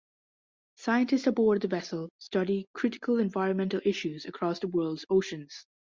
Scientists aboard the vessel study critical environmental issues across the world's oceans.